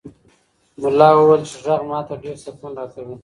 ملا وویل چې غږ ماته ډېر سکون راکوي.